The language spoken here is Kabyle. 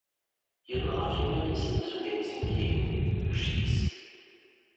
Yenneḍ ɣef yiman-is amzun d inisi-nni yegnen di temduct-is.